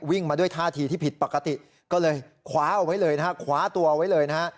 มาด้วยท่าทีที่ผิดปกติก็เลยคว้าเอาไว้เลยนะฮะคว้าตัวไว้เลยนะฮะ